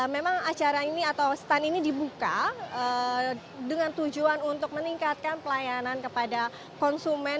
memang acara ini atau stand ini dibuka dengan tujuan untuk meningkatkan pelayanan kepada konsumen